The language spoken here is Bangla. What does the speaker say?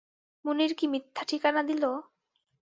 মুনির কি মিথ্যা ঠিকানা দিল?